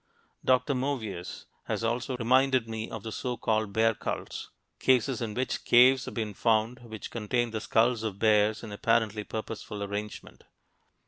Dr. Movius has also reminded me of the so called bear cults cases in which caves have been found which contain the skulls of bears in apparently purposeful arrangement.